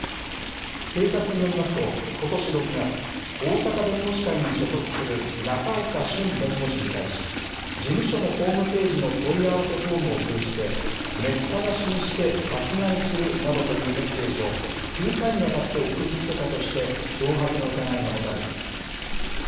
警察によりますと、ことし６月、大阪弁護士会に所属する仲岡しゅん弁護士に対し、事務所のホームページの問い合わせフォームを通じて、めった刺しにして殺害するなどというメッセージを、９回にわたって送りつけたとして、強迫の疑いが持たれています。